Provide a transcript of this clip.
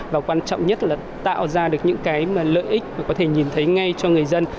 và quan trọng nhất là tạo ra được những cái lợi ích mà có thể nhìn thấy ngay cho người dân